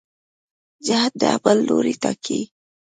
جهت د عمل لوری ټاکي.